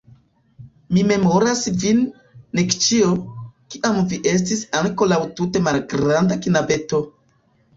Mi memoras vin, Nikĉjo, kiam vi estis ankoraŭ tute malgranda knabeto.